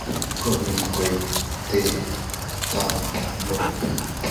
Konyit ko tee tany ak muren